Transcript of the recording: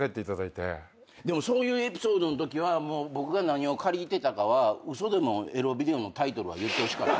でもそういうエピソードんときは僕が何を借りてたかは嘘でもエロビデオのタイトルは言ってほしかった。